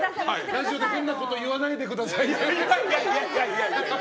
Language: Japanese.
ラジオで変なこと言わないでください！